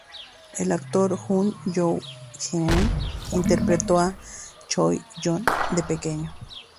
El actor Jung Yoo-geun interpretó a Choi Yoon de pequeño.